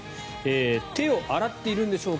手を洗っているんでしょうか。